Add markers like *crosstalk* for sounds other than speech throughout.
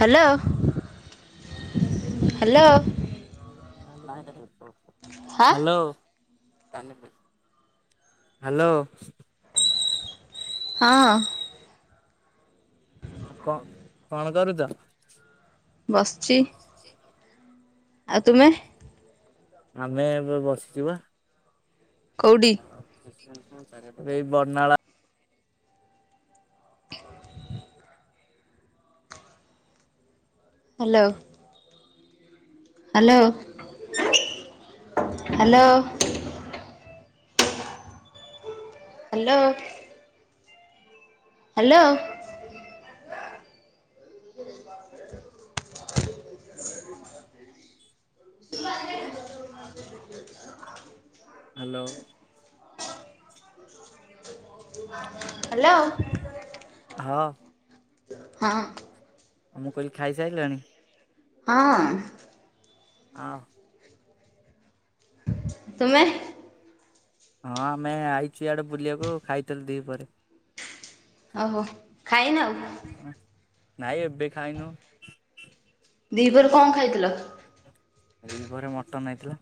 Hello hello. ହଁ hello. Hello. ହଁ। ଆ କଁ କଣ କରୁଚ? ବସଚି। ଚି ଚେ ଆଉ ତୁମେ? ଆମେ ଏବେ ବସିଚି ପା। କୋଉଠି ଏଇ ବର୍ଣ୍ଣାଳା ହ hello. Hello hello. Hello. Hello. *inaudible* ମୁଁ ବାହାରେକା ହାଲୋ। ହାଲୋ। ହଁ। ହଁ। ଆଉ ମୁଁ କହିଲି ଖାଇସାଇଲଣି? ଅଁ। ଆଅ ତୁମେ? ହଁ ଆମେ ଆଇଚୁ ଇଆଡ଼େ ବୁଲିବାକୁ ଖାଇଥେଲୁ ଦିହିପହରେ। ଅହୋ ଖାଇନ ଆଉ? ନାଇଁ ଏବେ ଖାଇନୁ। ଦିପହରୁ କଁ ଖାଇଥିଲ? ଦି ପହରେ ମଟନ୍ ହେଇଥିଲା।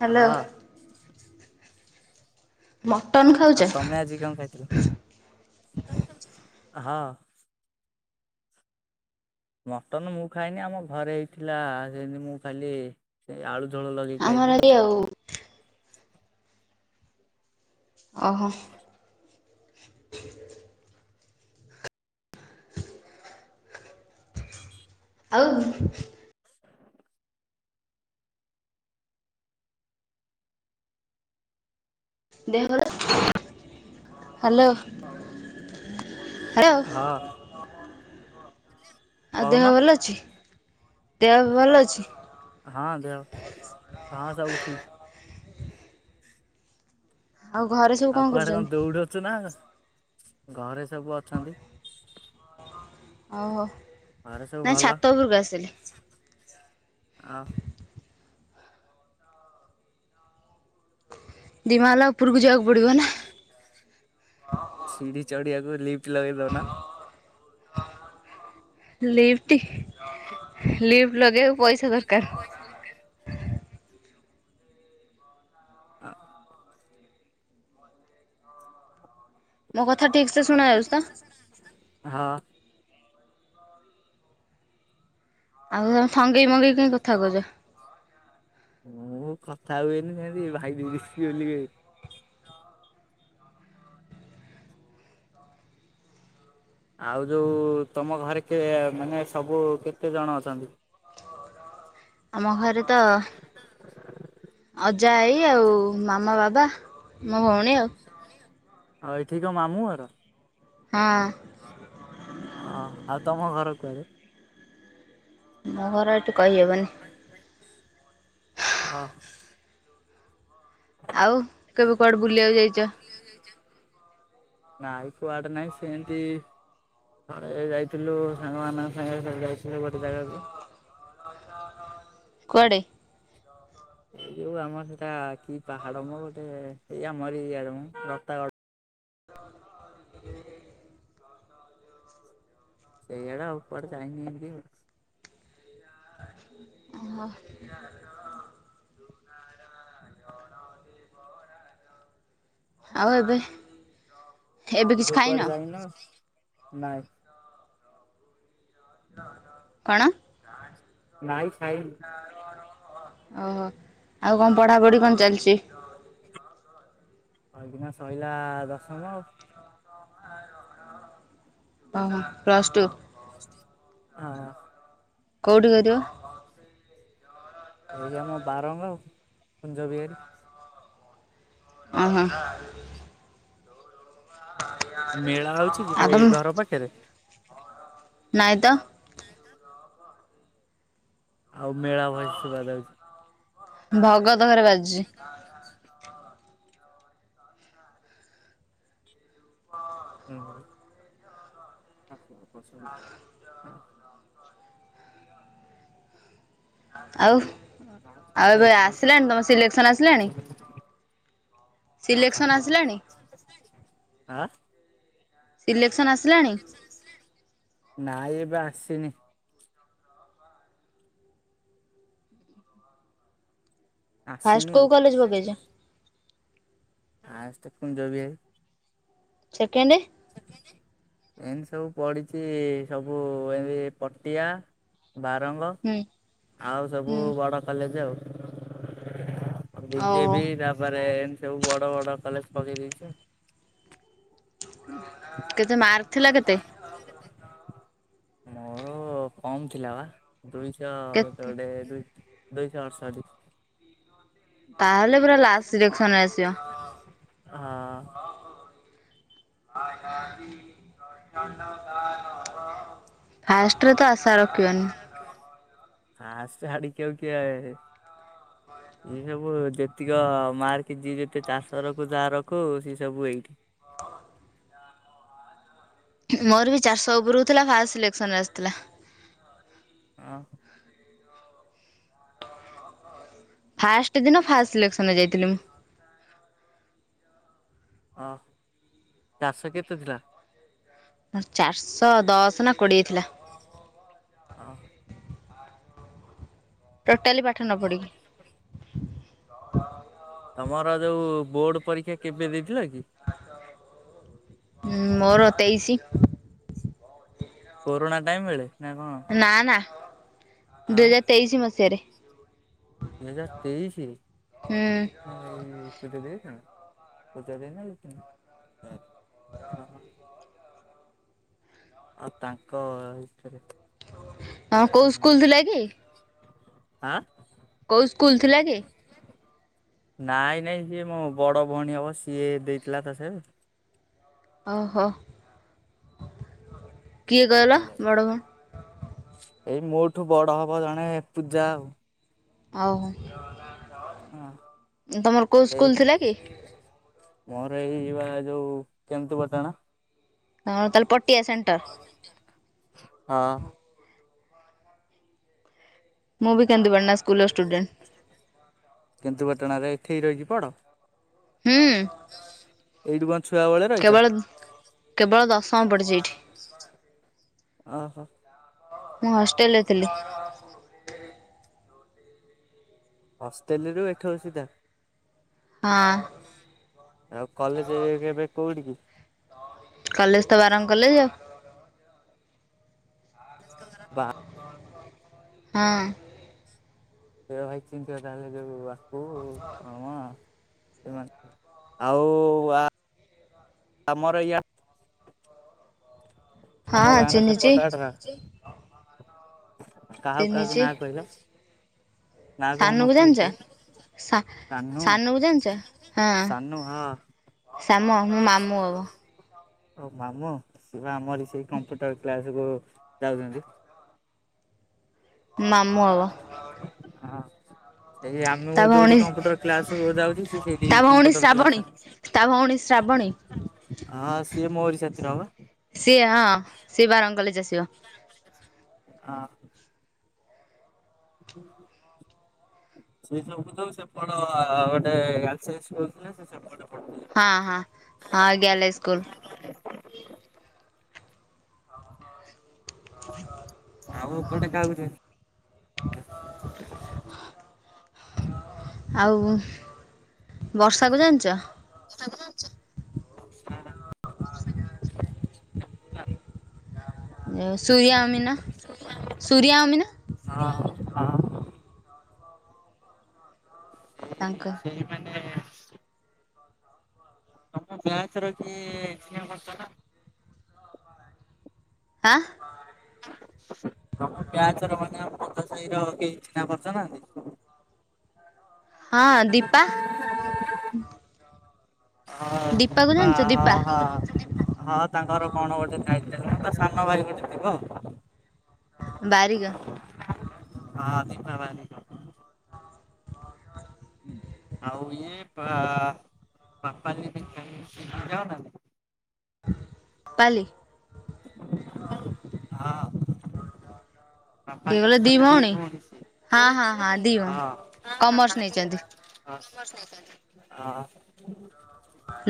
ହ୍ୟାଲୋ ହଁ। ମଟନ ଖାଉଛ ଆଉ ତମେ ଆଜି କଁ ଖାଇଥିଲ? ହଁ। ମଟନ୍ ମୁଁ ଖାଇନି ଆମ ଘରେ ହେଇଥିଲା ସେନ୍ତି ମୁଁ ଖାଲି ସେଇ ଆଳୁ ଝୋଳ ଲଗେଇ ଆମର ଖାଇଦିଏ ଆଜି ଆଉ। ଅହୋ। ଆଉ ଉ ଦେହ ଭଲ ହାଲୋ। ହଁ। ଆଉ କହୁନ ଦେହ ଭଲ ଅଛି? ଦେହ ଏବେ ଭଲ ଅଛି? ହଁ ଦେହ ହଁ ସବୁ ଠି ଆଉ ଘରେ ସବୁ ଆଉ କଣ କୁଆଡ଼େ କଁ କରୁଛନ୍ତି ଦୌଡ଼ଚୁ ନାଁ ଘରେ ସବୁ ଅଛନ୍ତି? ଓହୋ ନାଇଁ ଛାତ ଞପରୁକୁ ଆସିଲି। ଛାତ ଅ ଦିମାହାଲା ଓପୁରୁକୁ ଯିବାକୁ ପଡ଼ିବନ୍ ସିଡ଼ି ଚଢ଼ିବାକୁ ଲିଫ୍ଟ ଲଗେଇ ଦଉନ। ଲିପ୍ଟି? ଲିପ୍ଟ୍ ଲଗେଇବାକୁ ପଇସା ଦରକାର। ପଇସା ଦରକାର। ଆଅ ମୋ କଥା ଠିକ୍ ସେ ଶୁଣାଯାଉଚି ତ? ହଁ। ଆଉ ତମେ ଥଙ୍ଗେଇ ମଙ୍ଗେଇ କାଇଁ କଥା କଉଚ? ମୁଁ କଥା ହୁଏନି ସେମିତି ଭାଇ ବିଗିଡ଼ଚି ବୋଲିକେ ଆଉ ଯୋଉ ତମ ଘରେ କେ ମାନେ ସବୁ କେତେ ଜଣ ଅଛନ୍ତି? ଆମ ଘରେ ତ ଅଜା ଆଈ ଆଉ ମାମା ବାବା। ମୋ ଭଉଣୀ ଆଉ। ଅ ଏଠି କଁ ମାମୁଁ ଘର? ହଁ। ଅ ଆଉ ତମ ଘର କୁଆଡ଼େ। ମୋ ଘର ଏ ଅ। ଆଉ କେବେ କୁଆଡ଼େ ବୁଲିଆକୁ ଯାଇଚ? ନାଇଁ କୁଆଡ଼େ ନାହିଁ ସେନ୍ତି ହଁ ଯାଇଥିଲୁ ସାଙ୍ଗମାନଙ୍କ ସାଙ୍ଗେ ସେ ଯାଇଥିଲୁ ଗୋଟେ ଜାଗାକୁ। କୁଆଡ଼େ? ଏଇ ଯୋଉ ଆମର ସେଟା କି ପାହାଡ଼ ମ ଗୋଟେ ଏଇ ଆମରି ଇଆଡ଼େ ମ ରତାଗ ଉତୁ ଦେଇ କାଇଁ ସେଇ ଆଡ଼େ ଆଉ କୁଆଡ଼େ ଯାଇନି ଏମତି ଆଉ। ଅଃ ଆଉ ଏବେ କିଛି ଏବେ ଖାଇନ? କୁଆଡ଼େ ଯାଇନୁ ନାଇଁ। କଣ? ନାଇଁ ଖାଇ ଓହୋ ଆଉ କଁ ପଢ଼ାପଢ଼ି କଣ ଚାଲିଚି? ଅଇକିନା ସଇଲା ଦଶମ। ଅହ ପ୍ଲସ୍ ଟୁ। ହଁ। କୋଉଠି କରିବ? ଏଇ ଆମ ବାରଙ୍ଗ କୁଞ୍ଜ ବିହାରୀ। ଅଁ ହଁ। ମେଳା ହଉଛି ଆଉ କିବେ ତମ ଘର ପାଖରେ? ନାଇଁ ତ। ନାଇଁ ତ। ଆଉ ମେଳା ଭଏସ୍ ଶୁବା ଯାଉଚି। ଭଗତ ଘରେ ବାଜୁଚି। କଁ ଖାଇଚ? ଉଁ ହୁଁ ଆଉ କଁ ପସନ୍ତି ଆ ଆଉ ଆଉ ଏବେ ଆସିଲାଣି ତମ ସିଲେକ୍ସନ୍ ଆସିଲାଣି? ଆଉ ସିଲେକ୍ସନ୍ ପାଞ୍ଚ ଦିନ୍ ଆସିଲାଣି ପ ଆଁ? ସିଲେକ୍ସନ ଆସିଲେ ନାଇଁ ଏବେ ଆସିନି ଫାଷ୍ଟ ଆସିନି କୋଉ ଆଉ କଲେଜ ପକେଇଛ ଆ ତ ପନ୍ଦବି ହେ ସେକେଣ୍ଡ ସେକେଣ୍ଡ ଏନ୍ତୀ ସବୁ ପଡିଛି ସବୁ ଏମତି ପଟିଆ ବାରଙ୍ଗ ହୁଁ ଆଉ ସବୁ ହୁଁ ବଡ କଲେଜ ଆଉ ଆଉ ବି ଜେ ଓହୋ ବି ତାପରେ ଏମିତି ସବୁ ବଡ ବଡ କଲେଜ ପକେଇ ଦେଇେଇଛ କେତେ ମାର୍କ ଥିଲା କେତେ? ମୋର କମ୍ ଥିଲା ବା ଦୁଇଶହ କେତେ ଗଟେ ଦୁଇ ଦୁଇଶହ ଆଠଶଠୀ ତାହେଲେ ପୁରା ଲାଷ୍ଟ ସିଲେକ୍ସନରେ ହଁ ଆସିବ ଆଜାଦି ନୟନ କାନନ ଫାଷ୍ଟରେ ତ ଆଶା ରଖିବନି ରଖ ଫାଷ୍ଟ ଆଡ଼ିକି ଆଉ କି ଏ ସବୁ ଯେତିକ ମାର୍କ ଯିଏ ଯେତେ ଚାଷ ରଖୁ ତା ରଖୁ ସେ ସବୁ ଏଇଠି ମୋର ବି ଚାରିଶହ ଉପରକୁ ଥିଲା ଫାଷ୍ଟ ସିଲେକ୍ସନରେ ଆସିଥିଲା। ହଁ ଫାଷ୍ଟ ଦିନ ଫାଷ୍ଟ ସିଲେକ୍ସନ ଯାଇଥିଲି ମୁଁ। ଅ ଚାଷ କେତେ ଥିଲା? ଚାରିଶହ ଦଶ ନା କୋଡ଼ିଏ ଥିଲା। ଓହ ଟୋଟାଲି ପାଠ ନ ପଢିକି। ତମର ଯୋଉ ବୋର୍ଡ ପରୀକ୍ଷା କେବେ ଦେଇଥିଲ କି? ହଁ ମୋର ତେଇଶି କୋରୋଣା ଟାଇମ ବେଳେ ନା କଣ? ନା ନା ଦୁଇ ଆଉ ହଜାର ତେଇଶି ମସିହାରେ ହୁଁ ଇ ପୂଜା ଦେଇ ପୂଜା ଦେଇନା *unintelligible* ଆଉ ତାଙ୍କ ଏଥିରେ ହଁ କୋଉ ସ୍କୁଲ ଥିଲା କି? *unintelligible* ଆଁ କୋଉ ସ୍କୁଲ ଥିଲା କି? ନାଇଁ ନାଇଁ ସିଏ ମୋ ବଡ ଭଉଣୀ ହବ ସିଏ ଦେଇଥିଲା ତା ସେ ଓହୋ କିଏ କହିଲ ବଡ଼ଭଣ ଏଇ ମୋ ଠୁ ବଡ ହବ ଜଣେ ପୂଜା ଆଉ ଆଉ ହଁ ସେ ଥିଲା କି? ମୋର ଏଇ ଯିବା ଯୋଉ କେନ୍ତୁ ପଟଣା। ହଁ ତାହଲେ ପ ହଁ ମୁଁ ବି କେନ୍ଦୁ ପାଟଣା ସ୍କୁଲ ଅ ଷ୍ଟୁଡେଣ୍ଟ ହ କେନ୍ଦୁପାଟଣାରେ ଏଠି ରହିଛି ପଢ ହୁଁ ଏଇଠୁ କଣ ଛୁଆ ବଳେ ରହିଛ? କେବଳ କେବଳ ଦଶମ ପଡିଛି ଏଇଠି। ଓହୋ ମୁଁ ହଷ୍ଟେଲରେ ଥିଲି। ହଷ୍ଟେଲେରୁ ଏଠ ସିଧା ହଁ ଆଉ କଲେଜ ଏବେ - ବେକୋଉଠି କି? କଲେଜ ତ ବାରାମ କଲେଜ ଆଉ ବା ହଁ ସେୟା ଭାଇ ଚିତିଆଉ ତାହେଲେ ଯୋଉ ଆକୁ କଣ *unintelligible* ଆଉ ବା ଆମର ଇଆ ଆମ ହଁ ଗାଁରେ ଚିହ୍ନିଚି ସେପଟ ସେରା କାହାକୁ କାହାକୁ ଚିହ୍ନିଚି ନାଁ କହିଲା ନାଁ କହୁନ ସାନୁକୁ କିଏ ଜାଣିଚ? କିଏ ସା କାହ୍ନୁ ସାନୁ କୁ ଜାଣିଛ ହଁ ସାନୁ ହଁ ଶ୍ୟାମ ମୋ ମାମୁଁ ଅବ ଓ ମାମୁ ସିଏ ଆମରି ସେଇ କମ୍ପ୍ୟୁଟର କ୍ଲାସ କୁ ଯାଉଛନ୍ତି। ମାମୁଁ ହବ ହଁ ଏଇ ଆମୁ ତା ଅ ଯୋଉଠି ଭଉଣୀ କମ୍ପୁଟର କ୍ଲାସ କୁ ଯାଉଛି ସିଏ ତା ସେଇଠିକି ଭଉଣୀ କମ୍ପୁଟର ଶ୍ରାବଣୀ କ୍ଲାସ୍ ର ତା ଭଉଣୀ ଶ୍ରାବଣୀ ହଁ ସିଏ ମୋରି ସାଥିରେ ହବ ସିଏ ହଁ ସିଏ ବାରଙ୍ଗ କଲେଜ ଆସିବ। ହଁ ହୁଁ ସେଇ ସବୁକୁତ ସେପଟ ଆ ଗୋଟେ ଗାର୍ଲ୍ ସ୍ ହାଇ ସ୍କୁଲ୍ ଥିଲା ସେ ସେପଟ ପଲଉଥିଲେ ହଁ ହଁ ହଁ ଆ ଗ୍ୟାଲେ ସ୍କୁଲ *inaudible* ଆଉ ଉପ ଟ କାହାକୁ ଦେ ଆଉ ବର୍ଷା କୁ ଜାଣିଛ? କୋଠା କୁ ଜାଣିଛ? ନେଇ ସୁରିଆ *unintelligible* ହ ହ ତାଙ୍କ *unintelligible* ସେଇ ମାନେ ତମ ବ୍ୟାଥ ର କି ଇ୍ଜିନିୟର କରଛ ନା? ଆଁ ତମ ପ୍ୟାଜର ମାନେ *unintelligible* ଭହିର କେହି ଚିହ୍ନା ପରଚ ନାହାନ୍ତି। ହଁ ଦୀପା ହ *unintelligible* ଦୀପାକୁ ହା ଜାଣିଛ ଦୀପା ହା ହଁ ତାଙ୍କର କଣ ଗୋଟେ ଖାଇଥିଲେ, ତ ସାନ ଭାଇ ଗୋଟେ ଥିବ ଆଉ! ବାରିଗ ହଁ ଦିପା ବାରିକ୍ ହ *unintelligible* ଆଉ ମୁଁ ପା ପାପା *unintelligible* ଯା ପାଲି *unintelligible* ହଁ! ପାପାଲି ମିତାଲି ଦି ଭଉଣୀ ସିଏ ହଁ ଫେଣେ ହଁ ଦି ହଁ ଭଉଣୀ ହଁ ହ ହ କମର୍ସ ହ ଦି ନେଇଛନ୍ତି ଭଉଣୀ। *unintelligible* ହ ହଁ!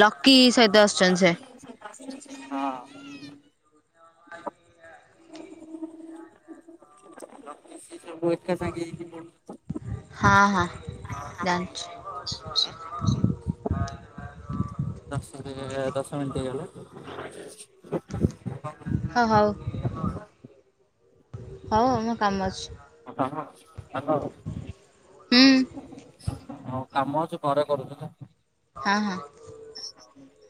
ଲକି ସହିତ ଆସୁଛନ୍ତି ସେ! *unintelligible* ହଁ! *unintelligible* ଲକି ସିଏ ସବୁ ଏକ ସାଙ୍ଗହୋଇ କି ପଢୁ ହଁ ହଁ ଜାଣିଛି। ଦଶ ଦିନିଆ ଦଶ ମିନିଟ୍ ହେଇଗଲେ ହ ହଉ, ହଉ ମୋ କାମ ଅଛି। କଁ କାମ ଅଛି ହୁଁ ହାଲୋ। ହଉ, କାମ ଅଛି ପରେ କରୁଛି ହେଲା। ହଁ ହଁ। *unintelligible*